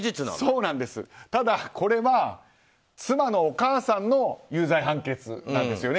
ただ、これは妻のお母さんの有罪判決なんですよね